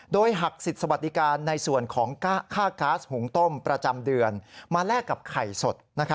โดยหักสิทธิ์สวัสดิการในส่วนของค่าก๊าซหุงต้มประจำเดือนมาแลกกับไข่สด